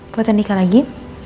buat nikah lagi